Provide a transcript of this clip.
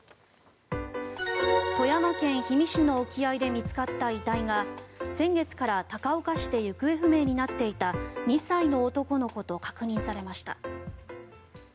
富山県氷見市の沖合で見つかった遺体が先月から高岡市で行方不明になっていた２歳の男の子と確認されました。